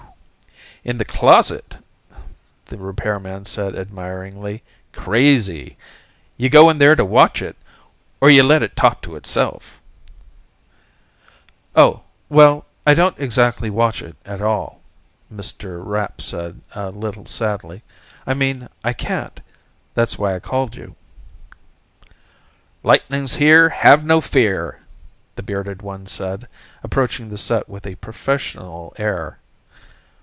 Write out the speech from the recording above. "In the closet," the repairman said, admiringly. "Crazy. You go in there to watch it, or you let it talk to itself?" "Oh. Well, I don't exactly watch it at all," Mr. Rapp said, a little sadly. "I mean, I can't. That's why I called you." "Lightning's here, have no fear," the bearded one said, approaching the set with a professional air.